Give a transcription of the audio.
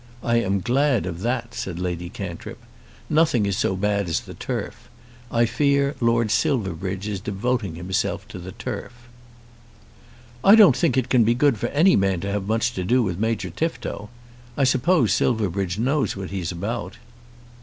"I am glad of that," said Lady Cantrip. "Nothing is so bad as the turf. I fear Lord Silverbridge is devoting himself to the turf." "I don't think it can be good for any man to have much to do with Major Tifto. I suppose Silverbridge knows what he's about."